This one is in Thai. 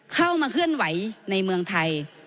เข้ามาเคลื่อนไหวในเมืองไทย